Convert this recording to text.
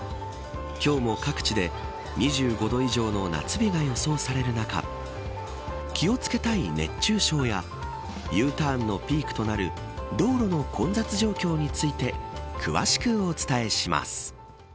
今日も各地で２５度以上の夏日が予想される中気を付けたい熱中症やＵターンのピークとなる道路の混雑状況について詳しくお伝えします。